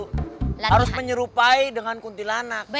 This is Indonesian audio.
harus menyerupai dengan kuntilanak